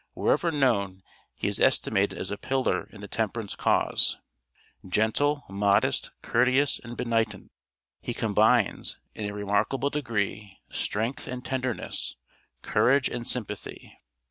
Wherever known, he is estimated as a pillar in the temperance cause. Gentle, modest, courteous and benignant, he combines, in a remarkable degree, strength and tenderness, courage and sympathy.